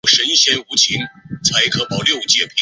这使得分子的光能吸收的范围降低。